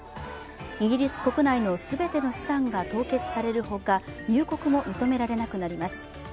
イギリス国内の全ての資産が凍結されるほか、入国も認められなくなります。